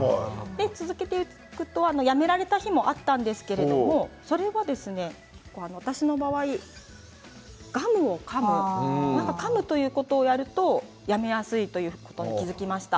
続けていきますとやめられた日もあったんですけれどそれは私の場合はガムをかむということをすると、やめやすいということに気が付きました。